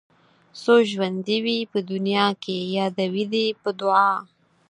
څو ژوندي وي په دنيا کې يادوي دې په دعا